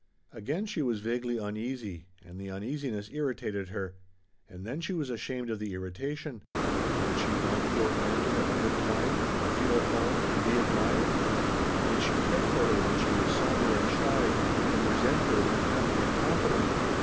Again she was vaguely uneasy, and the uneasiness irritated her, and then she was ashamed of the irritation. Didn't she want poor Ann to have a good time and feel at home and be admired? Did she care for her when she was somber and shy, and resent her when happy and confident?